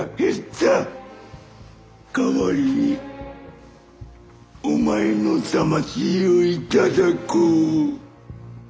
代わりにお前の魂を頂こう。